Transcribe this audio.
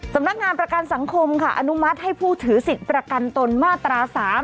สำนักงานประกันสังคมค่ะอนุมัติให้ผู้ถือสิทธิ์ประกันตนมาตรา๓